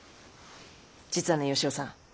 実はね吉雄さん。